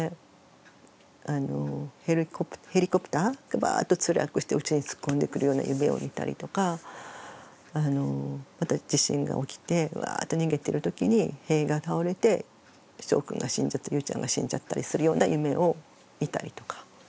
ヘリコプターがバーッと墜落してうちへ突っ込んでくるような夢を見たりとかまた地震が起きてわーっと逃げてるときに塀が倒れてしょうくんが死んじゃってゆうちゃんが死んじゃったりするような夢を見たりとか。